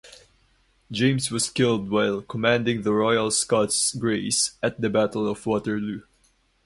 James was killed while commanding the Royal Scots Greys at the Battle of Waterloo.